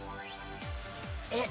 えっ。